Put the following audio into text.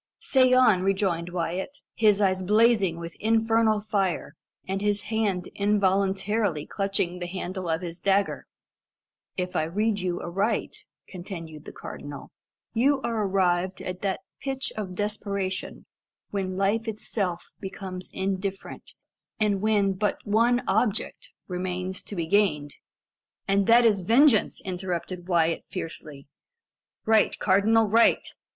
"Say on," rejoined Wyat, his eyes blazing with infernal fire, and his hand involuntarily clutching the handle of his dagger. "If I read you aright," continued the cardinal, "you are arrived at that pitch of desperation when life itself becomes indifferent, and when but one object remains to be gained " "And that is vengeance!" interrupted Wyat fiercely. "Right, cardinal right.